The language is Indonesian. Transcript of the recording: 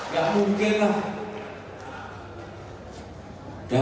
gak mungkin lah